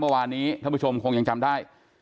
เมื่อวานนี้ท่านผู้ชมคงยังจำได้